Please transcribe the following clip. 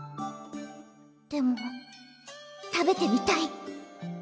でも食べてみたい！